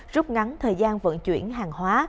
rút ngắn thời gian vận chuyển hàng hóa